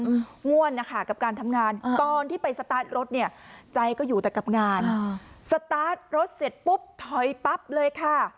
อืมง่วนนะคะกับการทำงานใช่ตอนที่ไปสตาร์ทรถเนี่ยใจก็อยู่แต่กับงานอ่าสตาร์ทรถเสร็จปุ๊บถอยปั๊บเลยค่ะ